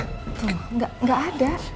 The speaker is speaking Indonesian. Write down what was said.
tuh gak ada